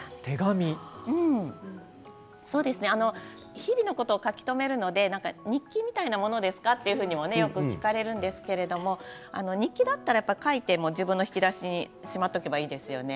日々のことを書き留めるので日記みたいなものですか？とよく聞かれるんですけれど日記だったら書いて自分の引き出しにしまっておけばいいですよね。